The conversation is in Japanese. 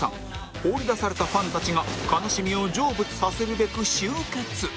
放り出されたファンたちが悲しみを成仏させるべく集結